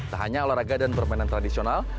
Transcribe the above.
tak hanya olahraga dan permainan tradisional